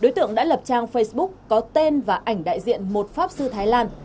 đối tượng đã lập trang facebook có tên và ảnh đại diện một pháp sư thái lan